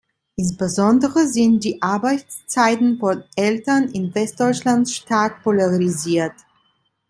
Insbesondere sind die Arbeitszeiten von Eltern in Westdeutschland stark polarisiert.